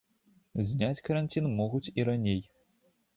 Зняць каранцін могуць і раней.